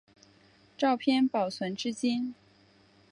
照片保存至今。